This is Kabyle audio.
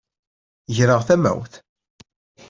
Greɣ tamawt.